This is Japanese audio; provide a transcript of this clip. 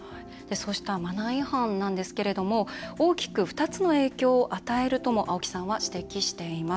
そうしたマナー違反なんですけれども大きく２つの影響を与えるとも青木さんは指摘しています。